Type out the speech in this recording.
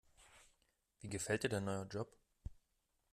Wie gefällt dir dein neuer Job?